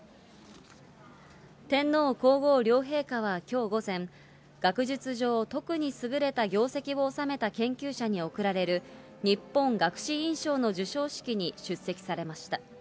天皇皇后両陛下はきょう午前、学術上、特に優れた業績を修めた研究者に贈られる日本学士院賞の授賞式に出席されました。